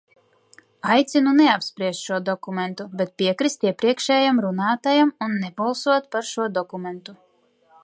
Aicinu neapspriest šo dokumentu, bet piekrist iepriekšējam runātājam un nebalsot par šo dokumentu.